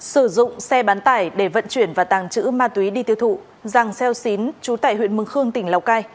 sử dụng xe bán tải để vận chuyển và tàng trữ ma túy đi tiêu thụ răng xeo xín trú tại huyện mừng khương tỉnh lào cai